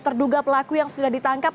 terduga pelaku yang sudah ditangkap